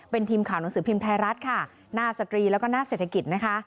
เป็นทีมข่าวหนังสือพิมพ์ไทยรัฐค่ะหน้าสตรีแล้วก็หน้าเศรษฐกิจนะคะ